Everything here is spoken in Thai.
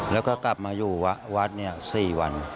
แล้วก็กลับมาอยู่เว๊อตเงี๊ยะ๔วัน